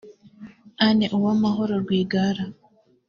Anne Uwamahoro Rwigara